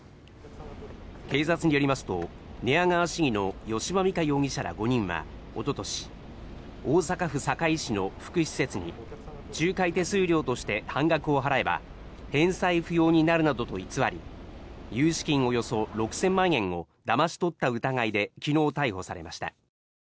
警察によりますと寝屋川市議の吉羽美華容疑者ら５人はおととし大阪府堺市の福祉施設に仲介手数料として半額を払えば返済不要になるなどと偽り融資金およそ６０００万円をだまし取った疑いで昨日、逮捕されました。